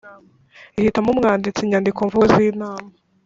ihitamo umwanditsi Inyandikomvugo z inama